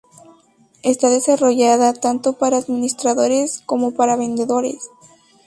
Está desarrollada tanto para administradores como para vendedores.